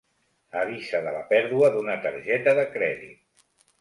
Avisa de la pèrdua d'una targeta de crèdit.